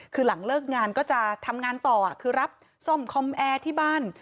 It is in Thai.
คือหลังเลิกงานก็จะทำงานต่อคือรับซ่อมคอมแอร์ที่บ้าน